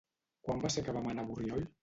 Quan va ser que vam anar a Borriol?